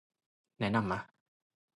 แนะนำมะ